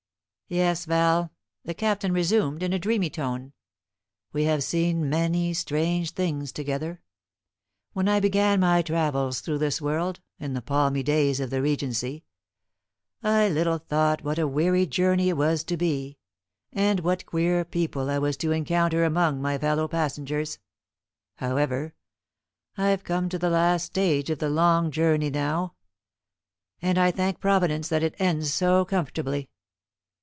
"Yes, Val," the Captain resumed, in a dreamy tone, "we have seen many strange things together. When I began my travels through this world, in the palmy days of the Regency, I little thought what a weary journey it was to be, and what queer people I was to encounter among my fellow passengers. However, I've come to the last stage of the long journey now, and I thank Providence that it ends so comfortably."